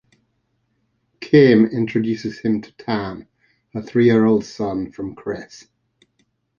Kim introduces him to Tam, her three-year-old son from Chris.